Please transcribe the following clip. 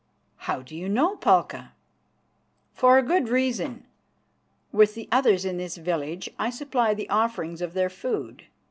"How do you know, Palka?" "For a good reason. With the others in this village I supply the offerings of their food.